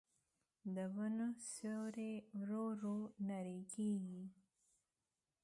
د ونو سیوري ورو ورو نری کېږي